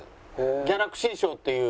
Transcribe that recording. ギャラクシー賞っていう。